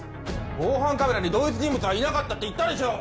防犯カメラに同一人物はいなかったって言ったでしょ！